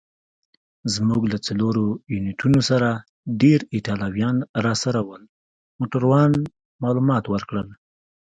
زموږ له څلورو یونیټونو سره ډېر ایټالویان راسره ول. موټروان معلومات ورکړل.